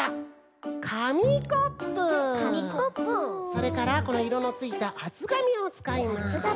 それからこのいろのついたあつがみをつかいます。